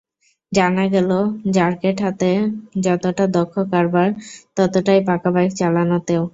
জানা গেল, র্যাকেট হাতে যতটা দক্ষ কারবার, ততটাই পাকা বাইক চালানোতেও।